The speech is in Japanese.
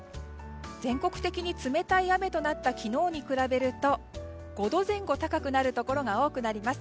全国的に冷たい雨となった昨日に比べると５度前後高くなるところが多くなります。